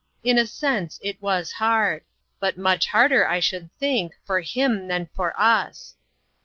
In a sense, it was hard ; but much harder, I should think, for him than for us.